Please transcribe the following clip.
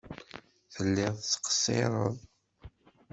Telliḍ tettqeṣṣireḍ.